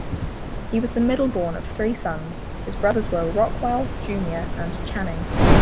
He was the middle-born of three sons; his brothers were Rockwell, Junior and Channing.